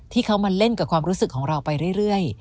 ที่เขามาเล่นกับความรู้สึกของเราไปเรื่อย